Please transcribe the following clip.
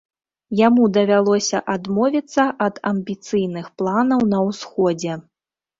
Яму давялося адмовіцца ад амбіцыйных планаў на ўсходзе.